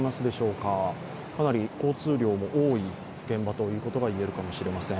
かなり交通量の多い現場といえるかもしれません。